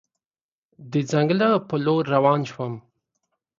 د ځنګله په لور روان شوم.